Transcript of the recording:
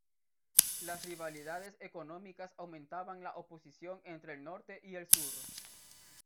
Las rivalidades económicas aumentaban la oposición entre el Norte y el Sur.